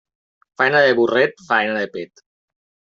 Faena de burret, faena de pet.